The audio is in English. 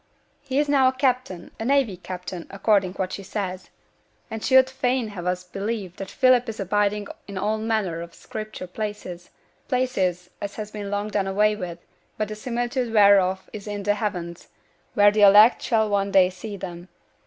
He's now a captain a navy captain, according to what she says. And she'd fain have us believe that Philip is abiding in all manner of Scripture places; places as has been long done away with, but the similitude whereof is in the heavens, where the elect shall one day see them.